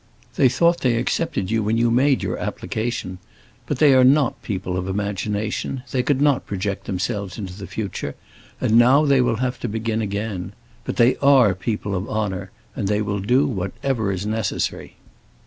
They thought they accepted you when you made your application; but they are not people of imagination, they could not project themselves into the future, and now they will have to begin again. But they are people of honor, and they will do whatever is necessary."